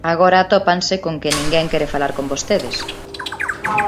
Agora atópanse con que ninguén quere falar con vostedes.